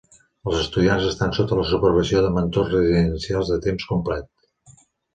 Els estudiants estan sota la supervisió de Mentors Residencials de temps complet.